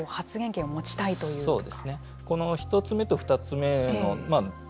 より発言権を持ちたいという。